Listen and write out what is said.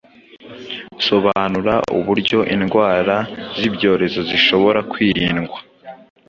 Sobanura uburyo indwara z’ibyorezo zishobora kwirindwa